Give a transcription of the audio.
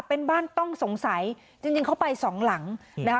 เป็นบ้านต้องสงสัยจริงจริงเขาไปสองหลังนะคะ